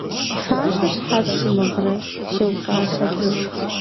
– Фащэ щхьэ пщымыгърэ? – сеупщӀащ абы.